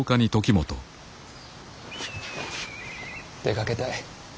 出かけたい。